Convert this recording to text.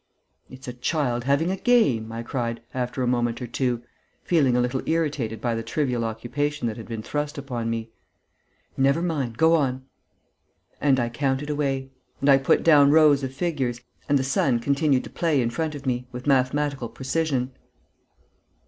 "It's a child having a game!" I cried, after a moment or two, feeling a little irritated by the trivial occupation that had been thrust upon me. "Never mind, go on!" And I counted away.... And I put down rows of figures.... And the sun continued to play in front of me, with mathematical precision.